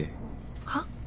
はっ？